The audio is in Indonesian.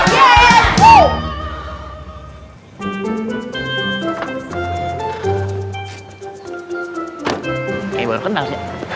ini baru kenal sih